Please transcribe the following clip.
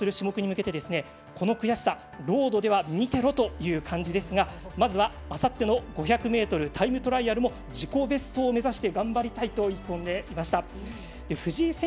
その上で今後、出場する種目でこの悔しさロードでは見てろという感じですがまずはあさっての５００ｍタイムトライアルも自己ベストを目指して頑張りたいと意気込んでいました。